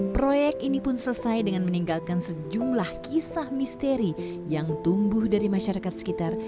proyek ini pun selesai dengan meninggalkan sejumlah kisah misteri yang tumbuh dari masyarakat sekitar